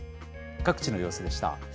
各地の様子でした。